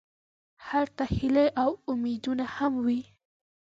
هلته هیلې او امیدونه هم وي.